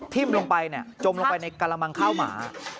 ลงไปจมลงไปในกระมังข้าวหมา